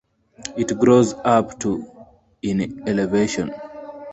It grows up to in elevation.